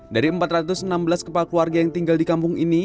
dari empat ratus enam belas kepala keluarga yang tinggal di kampung ini